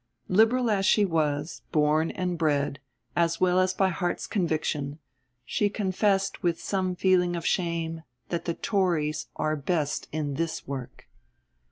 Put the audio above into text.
Liberal as she was, born and bred, as well as by heart's conviction, she confessed with some feeling of shame, that the Tories "are best in this work."